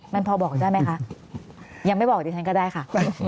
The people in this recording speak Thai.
มันพอบอกได้ไหมคะยังไม่บอกดิฉันก็ได้ค่ะ